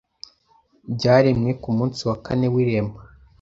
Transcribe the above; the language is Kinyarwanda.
byaremwe ku munsi wa kane w’irema.